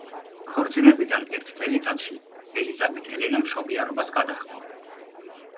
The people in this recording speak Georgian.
ქორწინებიდან ერთ წელიწადში ელიზაბეთ ელენა მშობიარობას გადაჰყვა.